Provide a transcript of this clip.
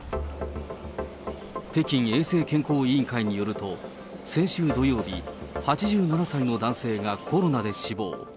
北京衛生健康委員会によると、先週土曜日、８７歳の男性がコロナで死亡。